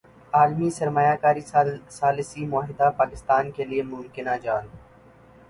عالمی سرمایہ کاری ثالثی معاہدہ پاکستان کیلئے ممکنہ جال